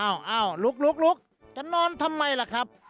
อ้าวลุกจะนอนทำไมล่ะครับ